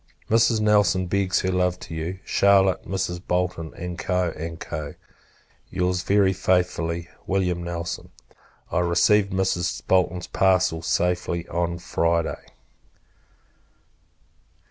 Mrs. Nelson begs her love to you, Charlotte, Mrs. Bolton, &c. &c. Your's, very faithfully, Wm. NELSON. I received Mrs. Bolton's parcel safe on Friday.